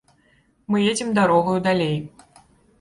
Мы едзем дарогаю далей.